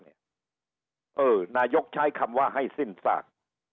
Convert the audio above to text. นายกใช้คำว่าให้สิ้นซาก